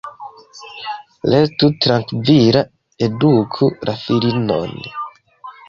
Restu trankvila, eduku la filinon.